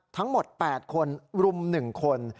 ทั้งหมด๘คนรุม๑คน